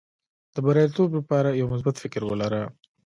د بریالیتوب لپاره یو مثبت فکر ولره.